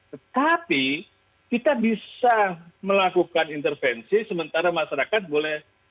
tetapi kita bisa melakukan intervensi sementara masyarakat boleh